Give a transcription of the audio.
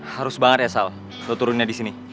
harus banget ya sal lo turuninnya disini